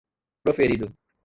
proferido